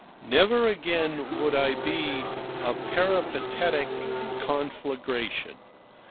Never again would I be a peripatetic conflagration.